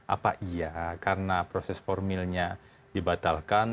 apa iya karena proses formilnya dibatalkan